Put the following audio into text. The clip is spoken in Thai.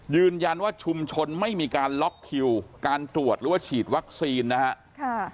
ยืนยันว่าชุมชนไม่มีการล็อกคิวการตรวจหรือว่าฉีดวัคซีนนะครับ